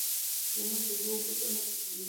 لمر په دوه ګوتو نه پټیږي